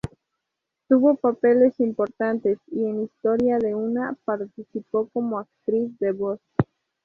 Tuvo papeles importantes y en "Historia de una..." participó como actriz de voz.